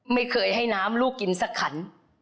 ไม่เคยให้น้ำลูกกินสักขัน